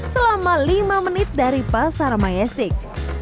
selama lima menit dari pasar majestic